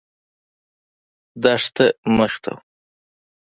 دښته مخې ته وه.